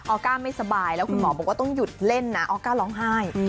ออก้าไม่สบายแล้วคุณหมอบอกว่าต้องหยุดเล่นนะออก้าร้องไห้